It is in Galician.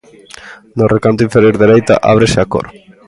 No recanto inferior dereita ábrese a cor.